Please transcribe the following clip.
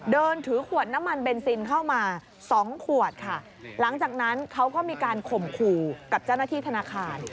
เดินถือขวดน้ำมันเบนซินเข้ามาสองขวดค่ะหลังจากนั้นเขาก็มีการข่มขู่กับเจ้าหน้าที่ธนาคาร